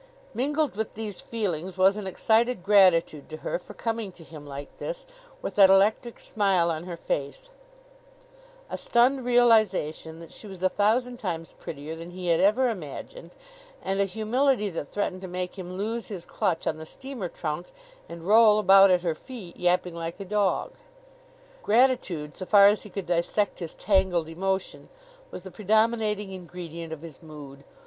Mingled with these feelings was an excited gratitude to her for coming to him like this, with that electric smile on her face; a stunned realization that she was a thousand times prettier than he had ever imagined; and a humility that threatened to make him loose his clutch on the steamer trunk and roll about at her feet, yapping like a dog. Gratitude, so far as he could dissect his tangled emotion was the predominating ingredient of his mood.